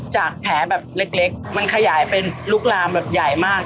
จากแผลแบบเล็กมันขยายเป็นลุกลามแบบใหญ่มาก